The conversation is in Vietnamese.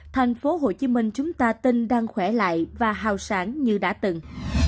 thành phố hồ chí minh chúng ta tin đang khỏe lại và hào sản như đã từng